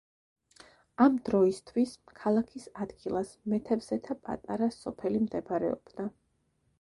ამ დროისთვის, ქალაქის ადგილას მეთევზეთა პატარა სოფელი მდებარეობდა.